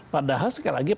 padahal sekali lagi